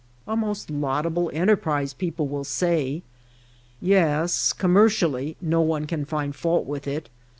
A most laudable enterprise, people will say. Yes ; commercially no one can find fault with it.